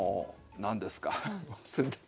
何何ですか？